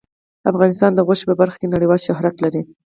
افغانستان د غوښې په برخه کې نړیوال شهرت لري.